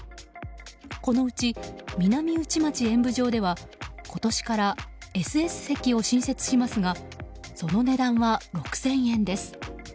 このうち南内町演舞場では今年からＳＳ席を新設しますがその値段は６０００円です。